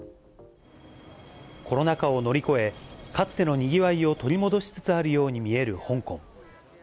コロナ禍を乗り越え、かつてのにぎわいを取り戻しつつあるように見える香港。